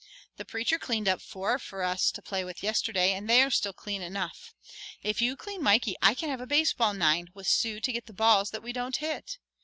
The preacher cleaned up four for us to play with yesterday and they are still clean enough. If you clean Mikey I can have a baseball nine, with Sue to get the balls that we don't hit.